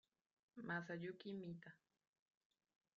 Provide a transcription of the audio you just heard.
Masayuki Mita